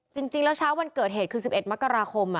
จริงแล้วเช้าวันเกิดเหตุคือ๑๑มกราคม